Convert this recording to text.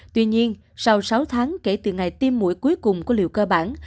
tuy nhiên sau sáu tháng kể từ ngày tiêm mũi cuối cùng của liều cơ bản